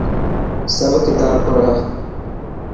سب ڪتاب پڙهه.